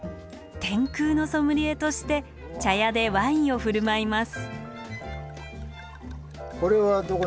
天空のソムリエとして茶屋でワインを振る舞います。